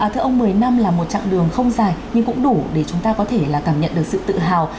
thưa ông một mươi năm là một chặng đường không dài nhưng cũng đủ để chúng ta có thể cảm nhận được sự tự hào